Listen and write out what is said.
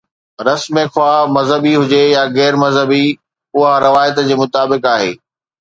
رسم، خواه مذهبي هجي يا غير مذهبي، اها روايت جي مطابق آهي.